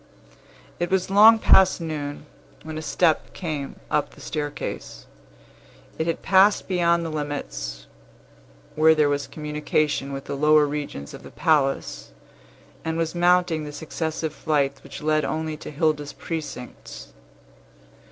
It was long past noon, when a step came up the staircase. It had passed beyond the limits where there was communication with the lower regions of the palace, and was mounting the successive flights which led only to Hilda's precincts.